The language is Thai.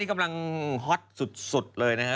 ที่กำลังฮอตสุดเลยนะครับ